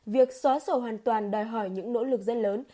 việc xóa sổ hoàn toàn đòi hỏi những nỗ lực rất lớn